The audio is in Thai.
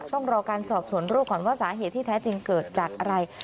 ต้องรอการสอบสวนโรคก่อนว่าสาเหตุที่แท้จริงเกิดจากอะไร